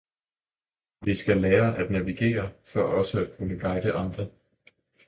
vi skal lære at navigere for også at kunne guide andre